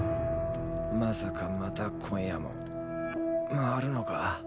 まさかまた今夜も回るのか？